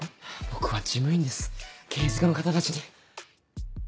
僕は事務員です刑事課の方たちに。